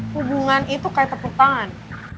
hubungan itu kayak tepuk tangan